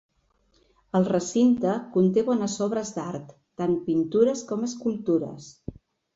El recinte conté bones obres d'art tant pintures com escultures.